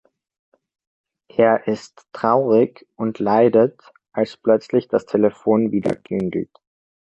Er ist traurig und leidet, als plötzlich das Telefon wieder klingelt.